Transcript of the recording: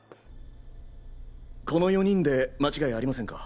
この４人で間違いありませんか？